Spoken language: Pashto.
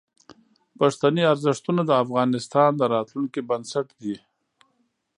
پښتني ارزښتونه د افغانستان د راتلونکي بنسټ دي.